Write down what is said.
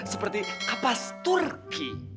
seperti kapas turki